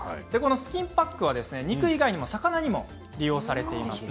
スキンパックは肉以外にも魚にも利用されています。